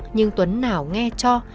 nhưng tuấn nào nghe cho